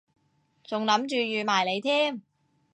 仲諗住預埋你添